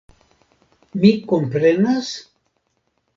Mi komprenas?